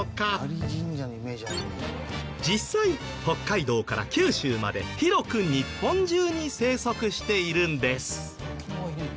実際北海道から九州まで広く日本中に生息しているんです。